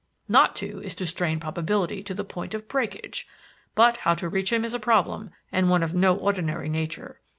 Not to, is to strain probability to the point of breakage. But how to reach him is a problem and one of no ordinary nature.